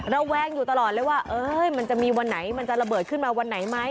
ระแวงอยู่ตลอดเลยว่ามันจะมีวันไหนมันจะระเบิดขึ้นมาวันไหนไหม